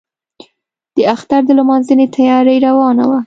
د اختر د لمانځنې تیاري روانه وه.